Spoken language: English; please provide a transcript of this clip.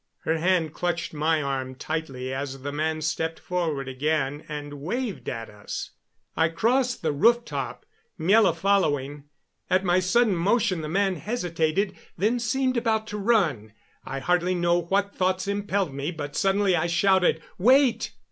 Her hand clutched my arm tightly as the man stepped forward again and waved at us. I crossed the rooftop, Miela following. At my sudden motion the man hesitated, then seemed about to run. I hardly know what thoughts impelled me, but suddenly I shouted: "Wait!"